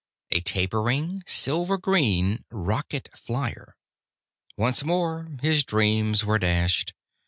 A tapering silver green rocket flier. Once more his dreams were dashed.